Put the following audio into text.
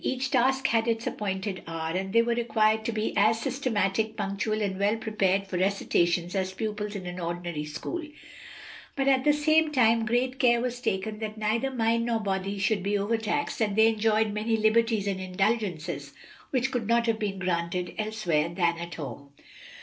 Each task had its appointed hour, and they were required to be as systematic, punctual and well prepared for recitations as pupils in an ordinary school, but at the same time great care was taken that neither mind nor body should be overtaxed, and they enjoyed many liberties and indulgences which could not have been granted elsewhere than at home.